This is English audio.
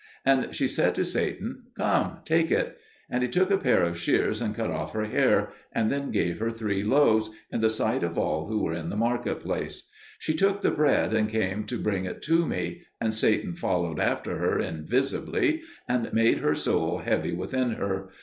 And she said to Satan, "Come, take it." And he took a pair of shears and cut off her hair, and then gave her three loaves, in the sight of all who were in the market place. She took the bread and came to bring it to me, and Satan followed after her invisibly, and made her soul heavy within her.